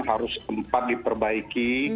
harus empat diperbaiki